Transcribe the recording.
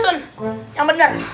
sun yang benar